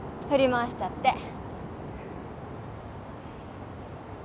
振り回しちゃって。